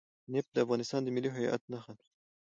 نفت د افغانستان د ملي هویت نښه ده.